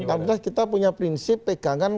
tapi kita punya prinsip pegangan